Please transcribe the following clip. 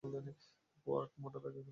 Quark মোটা দাগে দুই প্রকার।